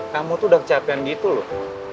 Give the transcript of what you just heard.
kamu tuh udah kecapean gitu loh